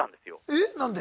えっ何で？